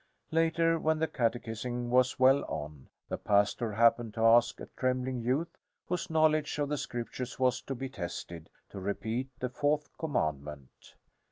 Later, when the catechizing was well on, the pastor happened to ask a trembling youth whose knowledge of the Scriptures was to be tested, to repeat the Fourth Commandment.